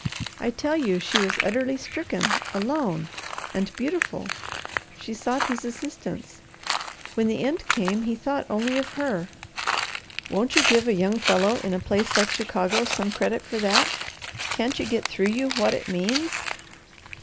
I tell you she was utterly stricken, alone, and beautiful. She sought his assistance. When the end came he thought only of her. Won't you give a young fellow in a place like Chicago some credit for that? Can't you get through you what it means?"